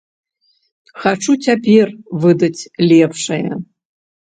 Хачу цяпер выдаць лепшае.